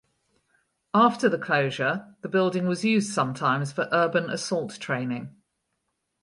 After the closure the building was used sometimes for urban assault training.